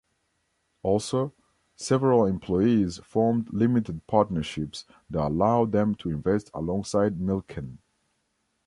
Also, several employees formed limited partnerships that allowed them to invest alongside Milken.